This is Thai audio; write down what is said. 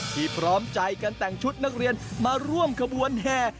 พร้อมใจกันแต่งชุดนักเรียนมาร่วมขบวนแห่